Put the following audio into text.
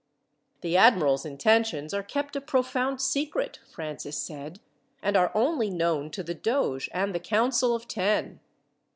"The admiral's intentions are kept a profound secret," Francis said, "and are only known to the doge and the Council of Ten."